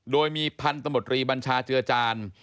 โดยมีพันธมตรีบัญชาเจือจาน